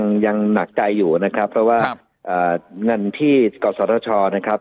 ยังยังหนักใจอยู่นะครับเพราะว่าเงินที่กศชนะครับ